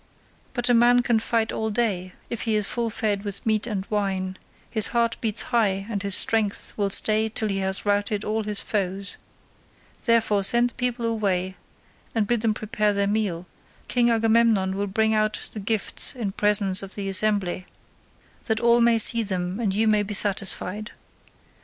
But a man can fight all day if he is full fed with meat and wine; his heart beats high, and his strength will stay till he has routed all his foes; therefore, send the people away and bid them prepare their meal; King Agamemnon will bring out the gifts in presence of the assembly, that all may see them and you may be satisfied.